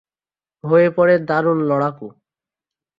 হয়ে পড়ে দারুণ লড়াকু।